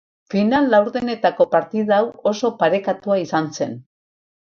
Final-laurdenetako partida hau oso parekatua izan zen.